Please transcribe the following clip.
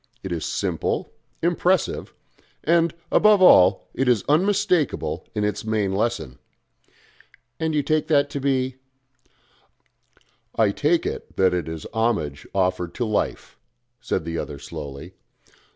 It is simple, impressive, and, above all, it is unmistakable in its main lesson " "And that you take to be ?" "I take it that it is homage offered to Life," said the other slowly.